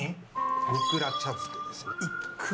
にくら茶漬けです。